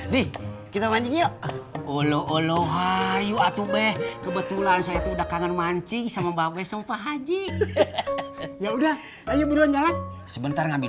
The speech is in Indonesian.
sampai jumpa di video selanjutnya